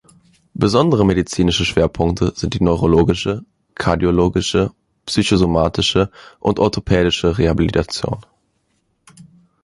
Besondere medizinische Schwerpunkte sind die neurologische, kardiologische, psychosomatische und orthopädische Rehabilitation.